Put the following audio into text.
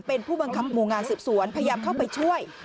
เป็นผู้บังคับหมู่งานสืบสวนพยายามเข้าไปช่วย